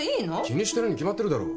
気にしてるに決まってるだろ。